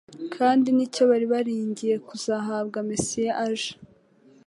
kandi nicyo bari bariringiye kuzahabwa Mesiya aje